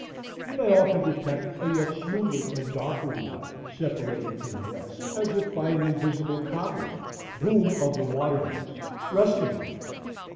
You may often detect a yet smoother and darker water, separated from the rest as if by an invisible cobweb, boom of the water nymphs, resting on it.